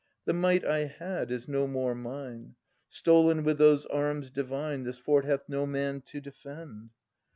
The might I had is no more mine. Stolen with those arms divine. This fort hath no man to defend.